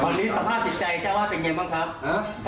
ตอนนี้สภาพจิตใจเจ้าว่าเป็นไงบ้างครับ